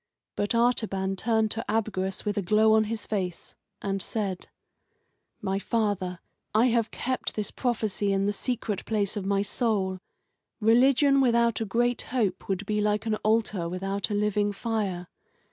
But Artaban turned to Abgarus with a glow on his face, and said: "My father, I have kept this prophecy in the secret place of my soul. Religion without a great hope would be like an altar without a living fire.